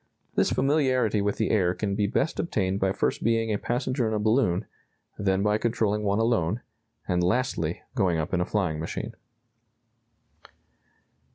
This familiarity with the air can be best obtained by first being a passenger in a balloon, then by controlling one alone, and lastly going up in a flying machine."